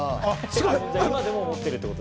今でも思ってる。